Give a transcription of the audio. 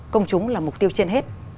công chúng là mục tiêu trên hết